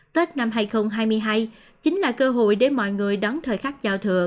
tết năm hai nghìn hai mươi hai chính là cơ hội để mọi người đón thời khắc giao thừa